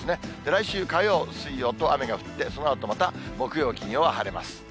来週火曜、水曜と雨が降って、そのあとまた木曜、金曜は晴れます。